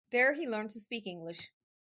There he learned to speak English.